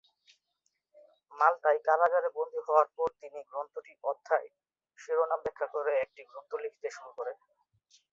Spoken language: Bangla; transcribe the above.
মাল্টায় কারাগারে বন্দী হওয়ার পর তিনি গ্রন্থটির অধ্যায়-শিরোনাম ব্যাখ্যা করে একটি গ্রন্থ লিখতে শুরু করেন।